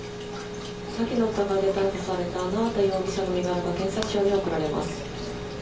詐欺の疑いで逮捕された縄田容疑者の身柄が検察庁に送られます。